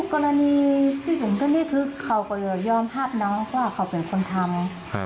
กรณีที่ผมก็นี่คือเขาก็ยอมภาพน้องว่าเขาเป็นคนทำ